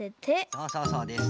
そうそうそうです。